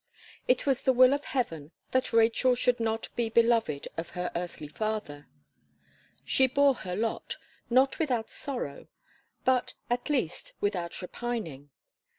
It was the will of Heaven that Rachel should not be beloved of her earthly father. She bore her lot not without sorrow; but, at least, without repining.